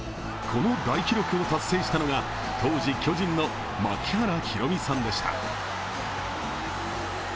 この大記録を達成したのが当時、巨人の槙原寛己さんでした。